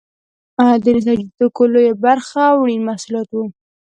د نساجي توکو لویه برخه وړین محصولات وو.